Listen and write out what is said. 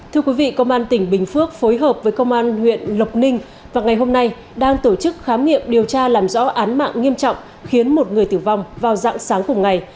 thưa quý vị công an tỉnh bình phước phối hợp với công an huyện lộc ninh và ngày hôm nay đang tổ chức khám nghiệm điều tra làm rõ án mạng nghiêm trọng khiến một người tử vong vào dạng sáng cùng ngày